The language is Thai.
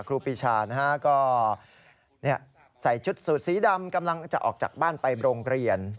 ครูปีชาก็ใส่ชุดสูตรสีดำกำลังจะออกจากบ้านไปโรงเรียน